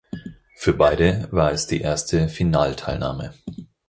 Für beide war es die erste Finalteilnahme.